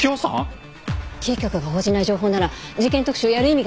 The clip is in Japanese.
キー局が報じない情報なら事件特集やる意味があるよね。